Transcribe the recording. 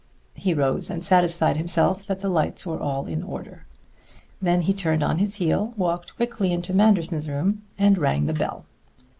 He rose, and satisfied himself that the lights were all in order. Then he turned on his heel, walked quickly into Manderson's room, and rang the bell.